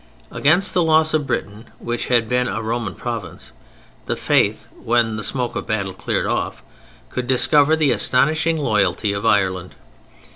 Against the loss of Britain, which had been a Roman province, the Faith, when the smoke of battle cleared off, could discover the astonishing loyalty of Ireland.